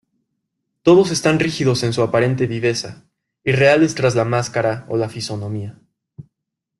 Todos están rígidos en su aparente viveza, irreales tras la máscara o la fisonomía.